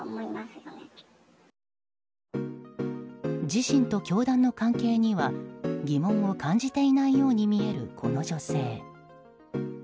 自身と教団の関係には疑問を感じていないように見えるこの女性。